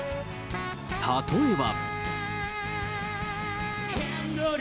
例えば。